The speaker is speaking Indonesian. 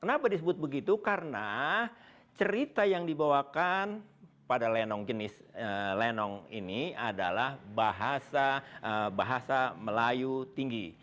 kenapa disebut begitu karena cerita yang dibawakan pada lenong jenis lenong ini adalah bahasa melayu tinggi